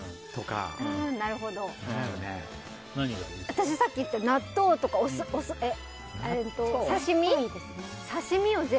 私さっき言った納豆とかお刺し身？